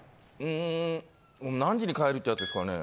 ん「何時に帰る」ってやつですかね。